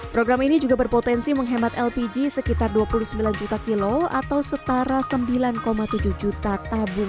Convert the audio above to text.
program ini juga berpotensi menghemat lpg sekitar dua puluh sembilan juta kilo atau setara sembilan tujuh juta tabung